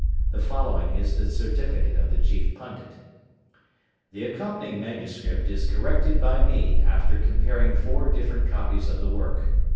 The following is the certificate of the chief pundit: "The accompanying manuscript is corrected by me after comparing four different copies of the work.